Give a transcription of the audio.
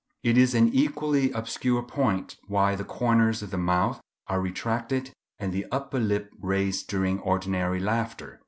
It is an equally obscure point why the corners of the mouth are retracted and the upper lip raised during ordinary laughter.